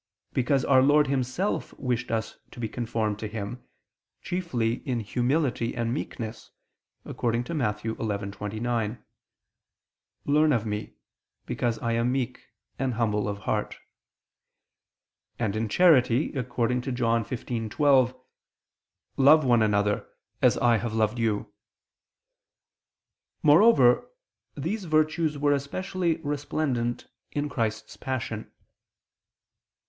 Because Our Lord Himself wished us to be conformed to Him, chiefly in humility and meekness, according to Matt. 11:29: "Learn of Me, because I am meek and humble of heart," and in charity, according to John 15:12: "Love one another, as I have loved you." Moreover, these virtues were especially resplendent in Christ's Passion.